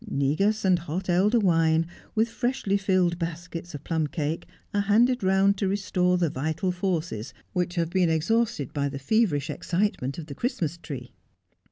Negus and hot elder wine, with freshly filled baskets of plum cake, are handed round to restore the vital forces which have been exhausted by the feverish excitement of the Christmas tree.